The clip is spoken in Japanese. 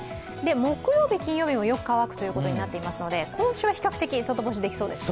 木曜日、金曜日もよく乾くことになっていますので今週は比較的外干しできそうですね。